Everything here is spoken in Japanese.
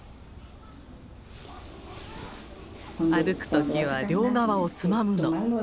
歩く時は両側をつまむの。